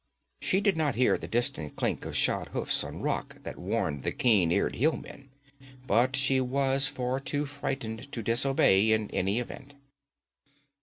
She did not hear the distant clink of shod hoofs on rock that warned the keen eared hill men; but she was far too frightened to disobey, in any event.